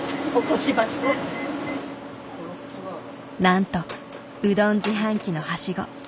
なんとうどん自販機のはしご。